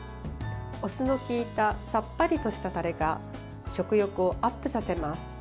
お酢のきいたさっぱりとしたタレが食欲をアップさせます。